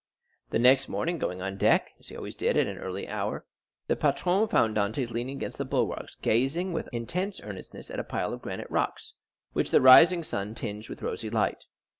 The next morning going on deck, as he always did at an early hour, the patron found Dantès leaning against the bulwarks gazing with intense earnestness at a pile of granite rocks, which the rising sun tinged with rosy light.